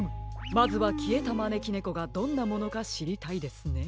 まずはきえたまねきねこがどんなものかしりたいですね。